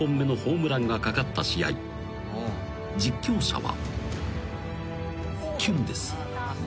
［実況者は］